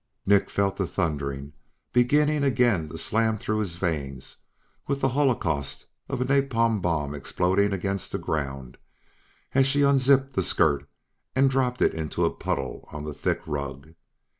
Nick felt the thundering beginning again to slam through his veins with the holocaust of a napalm bomb exploding against the ground as she unzipped the skirt and dropped it into a puddle on the thick rug.